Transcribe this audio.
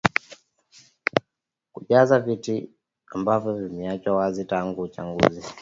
kujaza viti ambavyo vimeachwa wazi tangu uachaguzi